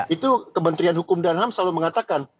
itu kementerian hukum dan ham selalu mengatakan